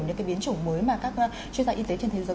những cái biến chủng mới mà các chuyên gia y tế trên thế giới